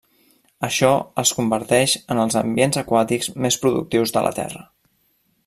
Això els converteix en els ambients aquàtics més productius de la Terra.